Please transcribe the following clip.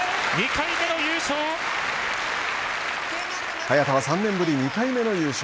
早田、３年ぶり２回目の優勝。